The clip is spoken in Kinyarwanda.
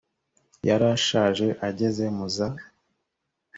yari ashaje ageze mu za